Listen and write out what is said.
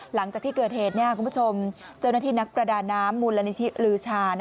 หลังจากที่เกิดเหตุคุณผู้ชมเจ้าหน้าที่นักประดาน้ำมูลนิธิลือชา